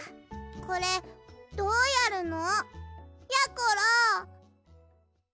これどうやるの？やころ！